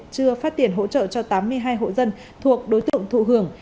chưa phát tiền hỗ trợ cho tám mươi hai hộ dân thuộc đối tượng thụ hưởng